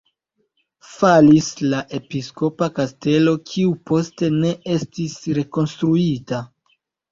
Falis la episkopa kastelo, kiu poste ne estis rekonstruita.